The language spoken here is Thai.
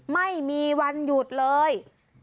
ไม่มีวันหยุดเลย